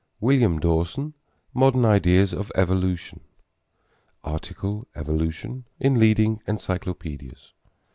William Dawson, Modern Ideas of Evolution; Article Evolution in leading encyclopedias.